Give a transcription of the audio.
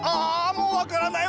もう分からない！